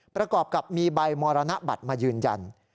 ประกอบกับมีใบมรณบัตรมายืนยัน